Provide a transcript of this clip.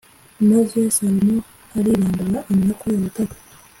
maze salomo aribambura amenya ko yarotaga